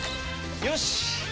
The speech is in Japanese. よし！